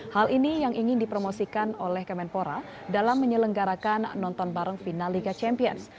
hal ini yang ingin dipromosikan oleh kemenpora dalam menyelenggarakan nonton bareng final liga champions